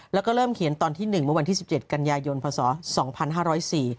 แล้วก็เริ่มเขียนตอนที่๑เมื่อวันที่๑๗กัญญาโยนภาษาสองพันห้าร้อยสี่